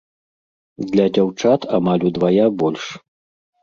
Для дзяўчат амаль удвая больш.